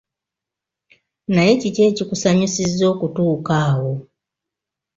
Naye kiki ekikusanyusiza okutuula awo?